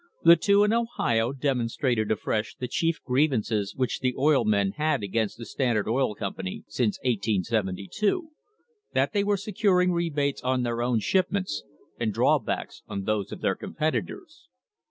The two in Ohio demonstrated afresh the chief grievances which the oil men had against the Standard Oil Company since 1872 that they were securing rebates on their own shipments and drawbacks on those of their competitors.